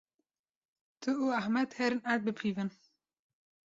Tu û Ehmed herin erd bipîvin.